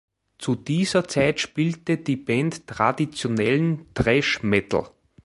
Zu dieser Zeit spielte die Band traditionellen Thrash Metal.